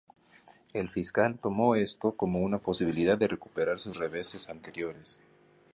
El fiscal tomó esto como una posibilidad de recuperar sus reveses anteriores.